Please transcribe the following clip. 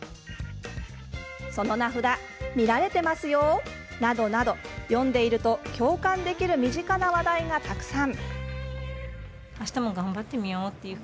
「その名札見られてますよ！」などなど読んでいると共感できる身近な話題がたくさん。